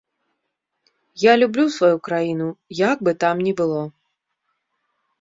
Я люблю сваю краіну, як бы там ні было.